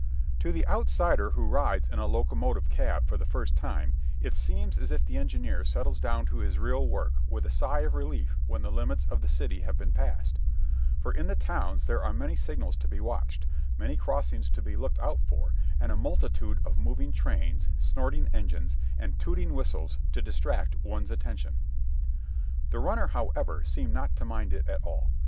To the outsider who rides in a locomotive cab for the first time it seems as if the engineer settles down to his real work with a sigh of relief when the limits of the city have been passed; for in the towns there are many signals to be watched, many crossings to be looked out for, and a multitude of moving trains, snorting engines, and tooting whistles to distract one's attention. The "runner," however, seemed not to mind it at all.